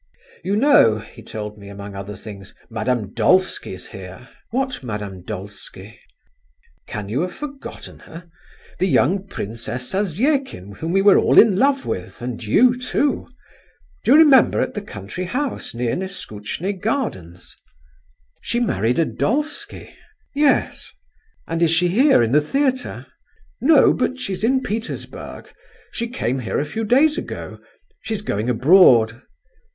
"You know," he told me among other things, "Madame Dolsky's here." "What Madame Dolsky?" "Can you have forgotten her?—the young Princess Zasyekin whom we were all in love with, and you too. Do you remember at the country house near Neskutchny gardens?" "She married a Dolsky?" "Yes." "And is she here, in the theatre?" "No: but she's in Petersburg. She came here a few days ago. She's going abroad."